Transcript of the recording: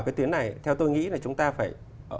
cái tuyến này theo tôi nghĩ là chúng ta phải